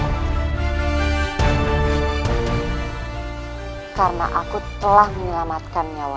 hai karena aku telah menyelamatkan nyawa